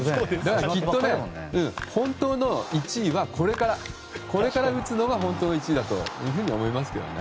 きっと、これから打つのが本当の１位だと思いますけどね。